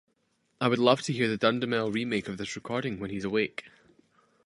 I would love to hear Dudamel remake this recording when he's awake.